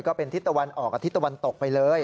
ก็เป็นที่ตะวันออกกับที่ตะวันตกไปเลย